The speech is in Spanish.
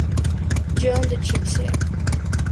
John de Chelsea.